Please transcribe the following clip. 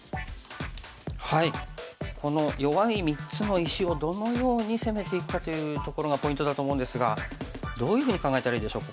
この弱い３つの石をどのように攻めていくかというところがポイントだと思うんですがどういうふうに考えたらいいでしょう